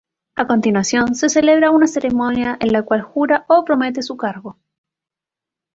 A continuación, se celebra una ceremonia en la cual jura o promete su cargo.